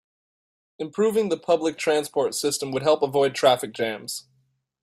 Improving the public transport system would help avoid traffic jams.